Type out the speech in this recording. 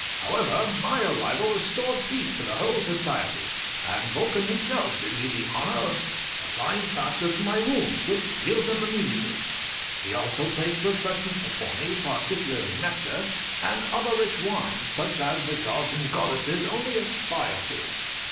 However, my arrival restored peace to the whole society, and Vulcan himself did me the honour of applying plasters to my wounds, which healed them immediately; he also placed refreshments before me, particularly nectar, and other rich wines, such as the gods and goddesses only aspire to.